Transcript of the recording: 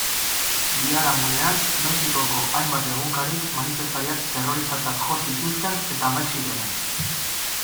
Biharamunean, Mexikoko hainbat egunkarik manifestariak terroristatzat jo zituzten eta Mexikoren.